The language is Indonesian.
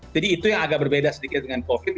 jadi itu yang agak berbeda sedikit dengan covid